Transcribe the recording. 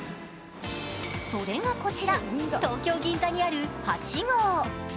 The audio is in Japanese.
それがこちら、東京銀座にある八五。